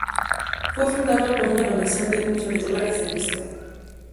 Fue fundado con una donación de un millón de dólares de Mr.